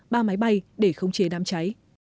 ba máy bay để khống chế đám cháy